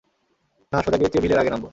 না, সোজা গিয়ে চেভিলের আগে নামবো।